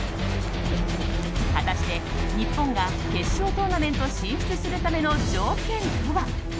果たして、日本が決勝トーナメントを進出するための条件とは。